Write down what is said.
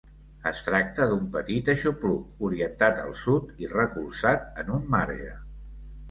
Es tracta d'un petit aixopluc orientat al sud i recolzat en un marge.